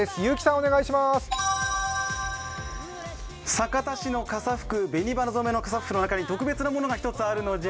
酒田市の傘福、紅花染めの傘福の中に特別なものが１つがあるのじゃ。